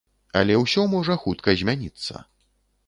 Але ўсё можа хутка змяніцца.